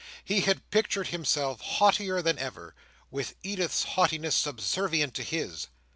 He had pictured himself haughtier than ever, with Edith's haughtiness subservient to his.